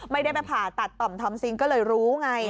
ไม่ได้ไปผ่าตัดต่อมทอมซิงก็เลยรู้ไง